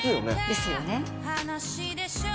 ですよね。ね？